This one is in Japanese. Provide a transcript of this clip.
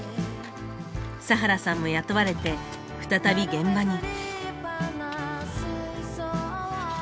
佐原さんも雇われて再び現場に。